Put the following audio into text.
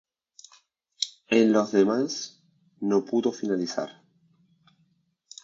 En los demás, no pudo finalizar.